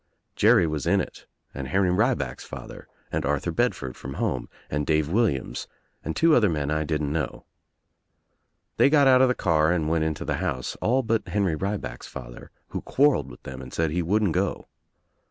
Jerry was in it and Henry Rieback's father, and Arthur Bedford from home, and Dave Williams and two other men I didn't know. They got out of the car and went into the house, all but Henry Rieback's father who quar reled with them and said he wouldn't go.